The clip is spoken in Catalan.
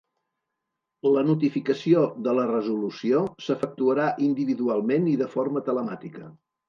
La notificació de la resolució s'efectuarà individualment i de forma telemàtica.